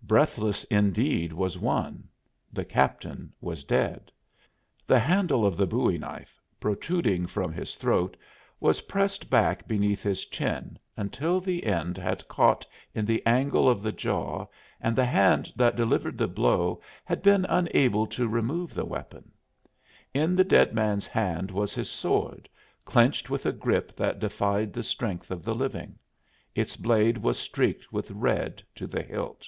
Breathless, indeed, was one: the captain was dead; the handle of the bowie knife, protruding from his throat, was pressed back beneath his chin until the end had caught in the angle of the jaw and the hand that delivered the blow had been unable to remove the weapon. In the dead man's hand was his sword, clenched with a grip that defied the strength of the living. Its blade was streaked with red to the hilt.